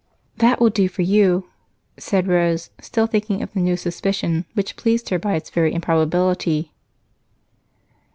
"That will do for you," said Rose, still thinking of the new suspicion which pleased her by its very improbability.